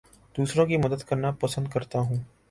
دوسروں کی مدد کرنا پسند کرتا ہوں